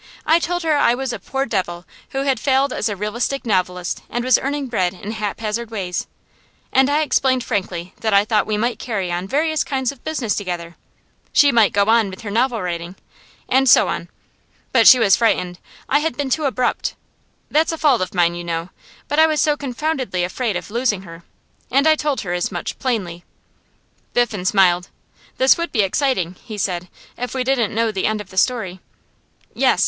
I told her I was a poor devil who had failed as a realistic novelist and was earning bread in haphazard ways; and I explained frankly that I thought we might carry on various kinds of business together: she might go on with her novel writing, and so on. But she was frightened; I had been too abrupt. That's a fault of mine, you know; but I was so confoundedly afraid of losing her. And I told her as much, plainly.' Biffen smiled. 'This would be exciting,' he said, 'if we didn't know the end of the story.' 'Yes.